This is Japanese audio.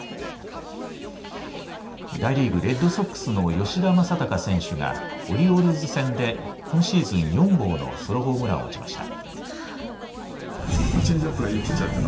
大リーグ、レッドソックスの吉田正尚選手がオリオールズ戦で今シーズン４号のソロホームランを打ちました。